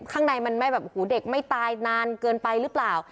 ข้างในมันไม่แบบหูเด็กไม่ตายนานเกินไปหรือเปล่า